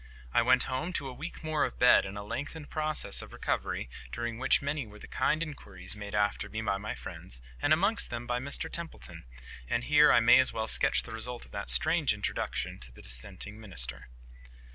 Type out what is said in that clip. I went home to a week more of bed, and a lengthened process of recovery, during which many were the kind inquiries made after me by my friends, and amongst them by Mr Templeton. And here I may as well sketch the result of that strange introduction to the dissenting minister.